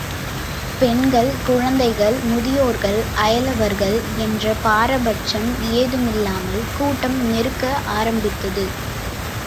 பெண்கள், குழந்தைகள், முதியோர்கள், அயலவர்கள் என்ற பாரபட்சம் ஏதுமில்லாமல் கூட்டம் நெருக்க ஆரம்பித்தது.